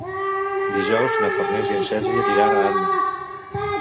Dijous na Farners i en Sergi aniran a Anna.